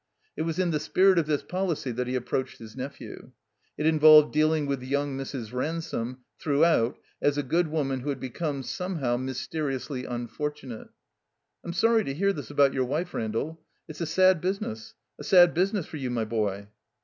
It was in the spirit of this policy that he approached his nephew. It involved dealing with young Mrs, Ransome throughout as a good woman who had be come, somehow, mysteriously imfortunate. 'T*m sorry to hear this about your wife, Randall. It's a sad business, a sad business for you, my boy."